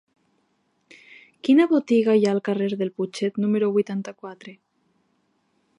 Quina botiga hi ha al carrer del Putxet número vuitanta-quatre?